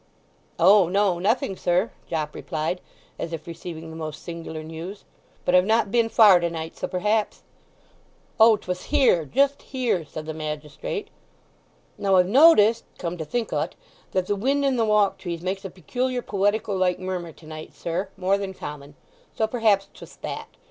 "O no—nothing, sir," Jopp replied, as if receiving the most singular news. "But I've not been far tonight, so perhaps—" "Oh, 'twas here—just here," said the magistrate. "Now I've noticed, come to think o't that the wind in the Walk trees makes a peculiar poetical like murmur to night, sir; more than common; so perhaps 'twas that?"